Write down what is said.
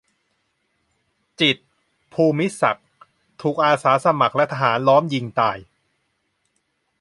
จิตร ภูมิศักดิ์ ถูกอาสาสมัครและทหารล้อมยิงตาย